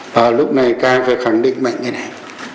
và lúc này các anh phải khẳng định mạnh như thế này